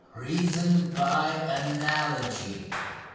Reason by analogy.